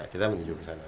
kita menuju kesana